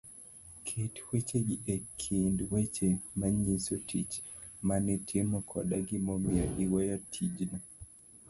ket wechegi e kind weche manyiso tich manitimo koda gimomiyo iweyo tijno.